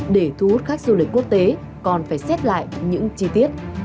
để thu hút khách du lịch quốc tế còn phải xét lại những chi tiết